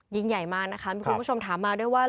ยิ่งใหญ่มากนะคะมีคุณผู้ชมถามมาด้วยว่า